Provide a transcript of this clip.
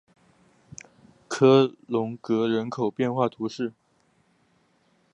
科隆格人口变化图示